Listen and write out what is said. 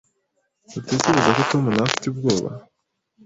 Ntutekereza ko Tom nawe afite ubwoba?